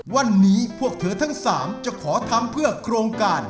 วันนี้พวกเธอทั้ง๓จะขอทำเพื่อโครงการ